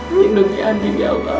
menyembuhi andin ya allah